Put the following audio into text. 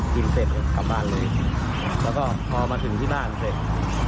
เสร็จกลับบ้านเลยแล้วก็พอมาถึงที่บ้านเสร็จ